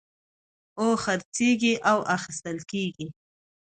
او خرڅېږي او اخيستل کېږي.